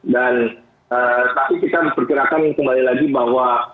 dan ee tapi kita berkira akan kembali lagi bahwa